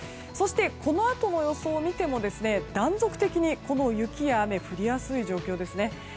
そして、このあとの予想を見ても断続的に雪や雨が降りやすい状況です。